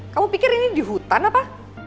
kamu pikir ini di hutan apa